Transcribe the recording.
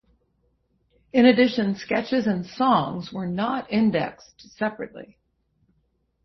In addition, sketches and songs were not indexed separately.